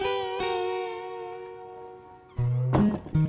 tapi mak belum iain